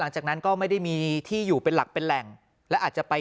หลังจากนั้นก็ไม่ได้มีที่อยู่เป็นหลักเป็นแหล่งและอาจจะไป